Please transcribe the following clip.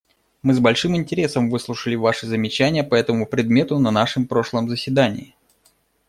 Мы с большим интересом выслушали Ваши замечания по этому предмету на нашем прошлом заседании.